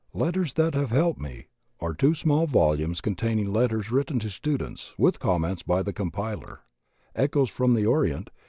''Letters That Have Helped Me," are two small volumes con taining letters written to students, with comments by the compiler; "Echoes From the Orient."